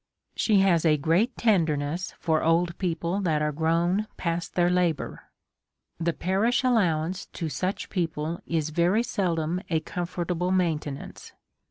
She has a great tenderness for old people that are grown past their labour. The parish allowance to / such people is very seldom a comfortable maintenance.